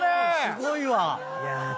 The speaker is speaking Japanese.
すごいわ！